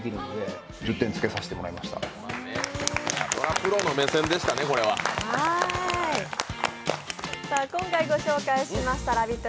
プロの目線でしたね、これは今回ご紹介しましたラヴィット！